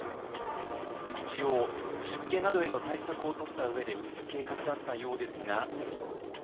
一応湿気などへの対策をとった上で移す計画だったようですが。